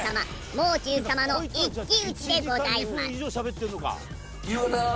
もう中様の一騎打ちでございます。